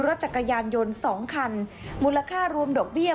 รถจักรยานยนต์๒คันมูลค่ารวมดอกเบี้ย